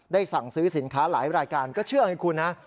สั่งซื้อสินค้าหลายรายการก็เชื่อไงคุณนะ